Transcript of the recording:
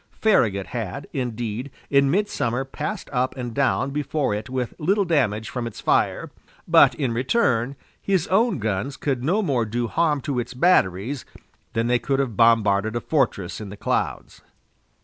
Farragut had, indeed, in midsummer passed up and down before it with little damage from its fire; but, in return, his own guns could no more do harm to its batteries than they could have bombarded a fortress in the clouds.